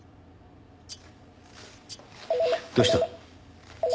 どうした？